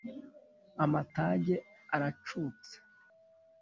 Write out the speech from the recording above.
Amatage aracutse